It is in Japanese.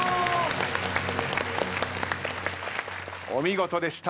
お見事でした。